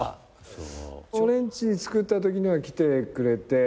俺んち造ったときには来てくれて。